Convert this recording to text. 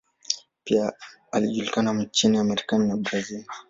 Pia alijulikana nchini Marekani na Brazil.